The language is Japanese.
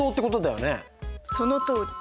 そのとおり。